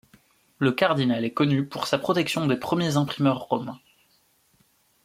Le cardinal est connu pour sa protection des premiers imprimeurs romains.